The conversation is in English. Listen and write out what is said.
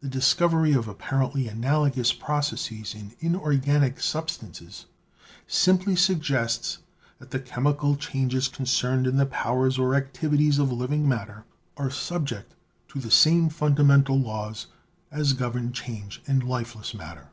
The discovery of apparently analogous processes in inorganic substances simply sug gests that the chemical changes concerned in the powers THE NATURE OF LIFE 21 or activities of living matter are subject to the same fun damental laws as govern change in lifeless matter.